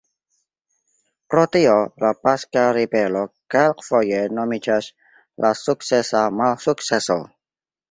Pro tio, la Paska Ribelo kelkfoje nomiĝas "la sukcesa malsukceso".